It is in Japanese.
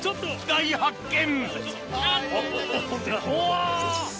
大発見！